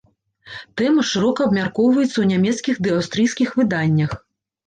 Тэма шырока абмяркоўваецца ў нямецкіх ды аўстрыйскіх выданнях.